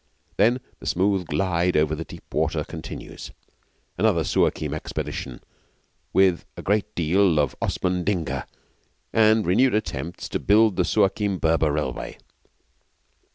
Then the smooth glide over deep water continues another Suakim expedition with a great deal of Osman Digna and renewed attempts to build the Suakim Berber Railway.